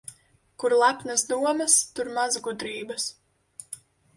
Kur lepnas domas, tur maz gudrības.